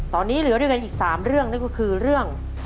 ตอนนี้เหลือด้วยกันอีก๓เรื่องนั่นก็คือเรื่อง